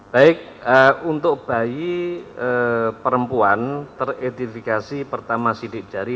baik untuk bayi perempuan teridentifikasi pertama sidik jari